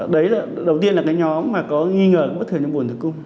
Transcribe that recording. đấy là đầu tiên là cái nhóm mà có nghi ngờ bất thường trong buồn tử cung